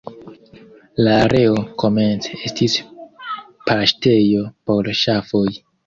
La areo komence estis paŝtejo por ŝafoj.